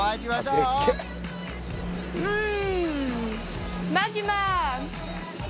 うん！